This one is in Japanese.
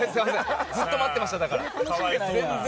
ずっと待ってました。